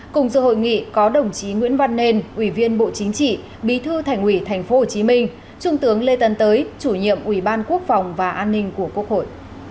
cùng dự hội nghị có đồng chí nguyễn văn nên ủy viên bộ chính trị bí thư thành ủy tp hcm trung tướng lê tân tới chủ nhiệm ủy ban quốc phòng và an ninh của quốc hội